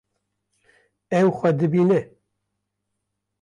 Ew xwe dibîne.